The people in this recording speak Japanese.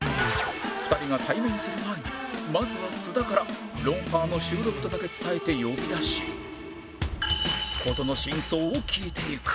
２人が対面する前にまずは津田から『ロンハー』の収録とだけ伝えて呼び出し事の真相を聞いていく